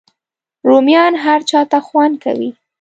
رومیان هر چاته خوند کوي